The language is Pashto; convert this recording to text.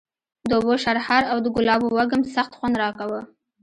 د اوبو شرهار او د ګلابو وږم سخت خوند راکاوه.